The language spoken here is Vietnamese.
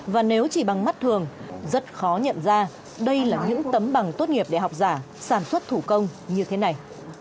và nếu chỉ bằng mắt thường rất khó nhận ra đây là những tấm bằng tốt nghiệp để học giả sản xuất thủ công như thế này